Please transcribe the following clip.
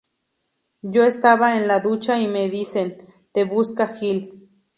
Yo estaba en la ducha y me dicen "te busca Gil".